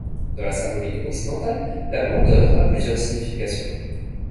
Dans la symbolique occidentale, la blondeur a plusieurs significations.